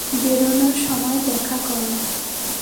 বেরোনোর সময় দেখা কোরো।